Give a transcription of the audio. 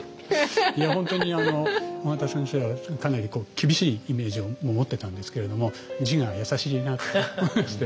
いや本当に緒方先生はかなり厳しいイメージを持ってたんですけれども字が優しいなと思いまして。